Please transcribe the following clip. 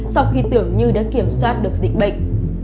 sau khi tưởng như đã kiểm soát được dịch bệnh